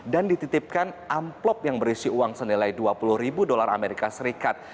dan dititipkan amplop yang berisi uang senilai dua puluh ribu dolar amerika serikat